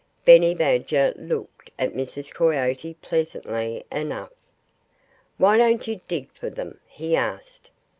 Benny Badger looked at Mrs. Coyote pleasantly enough. "Why don't you dig for them?" he asked.